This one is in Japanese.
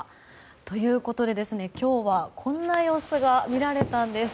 ということで今日はこんな様子が見られたんです。